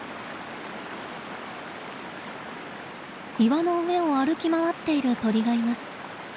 岩の上を歩き回っている鳥がいます。